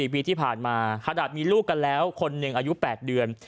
ปีที่ผ่านมาขนาดมีลูกกันแล้วคนหนึ่งอายุ๘เดือน